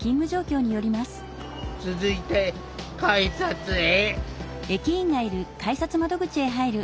続いて改札へ。